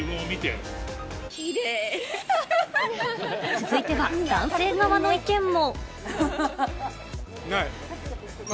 続いては男性側の意見も。